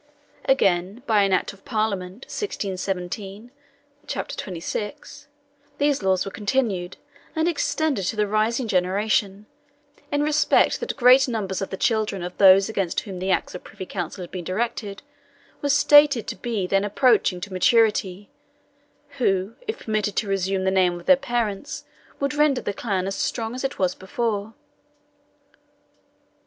Again, by an Act of Parliament, 1617, chap. 26, these laws were continued, and extended to the rising generation, in respect that great numbers of the children of those against whom the acts of Privy Council had been directed, were stated to be then approaching to maturity, who, if permitted to resume the name of their parents, would render the clan as strong as it was before.